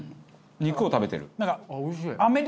肉を食べてる。